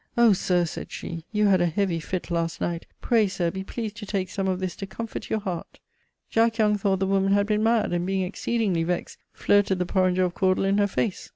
'Oh sir,' sayd she, 'you had a heavy fitt last night, pray, sir, be pleased to take some of this to comfort your heart.' Jack Young thought the woman had been mad, and being exceedingly vexed, flirted the porrenger of cawdle in her face.